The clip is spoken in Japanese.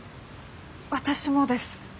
私もです。